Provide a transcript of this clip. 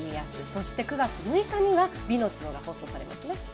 そして、９月６日には「美の壺」が放送されますね。